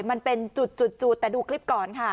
มันเป็นจุดแต่ดูคลิปก่อนค่ะ